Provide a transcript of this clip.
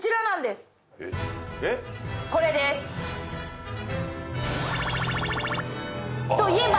これです。といえば。